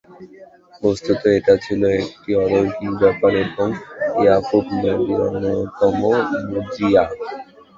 বস্তুত এটা ছিল একটি অলৌকিক ব্যাপার এবং ইয়াকুব নবীর অন্যতম মুজিযা।